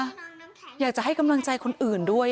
หนูเป็นเด็กที่ทั้งมีไส้ทั้งมีสาย